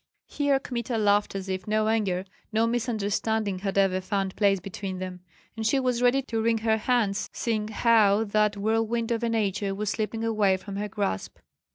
Here Kmita laughed as if no anger, no misunderstanding, had ever found place between them; and she was ready to wring her hands, seeing how that whirlwind of a nature was slipping away from her grasp.